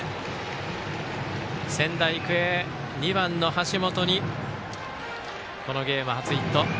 仙台育英、２番の橋本にこのゲーム初ヒット。